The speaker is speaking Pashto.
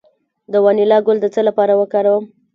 د وانیلا ګل د څه لپاره وکاروم؟